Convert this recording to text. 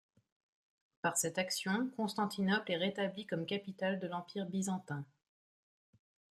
Par cette action, Constantinople est rétablie comme capitale de l'empire byzantin.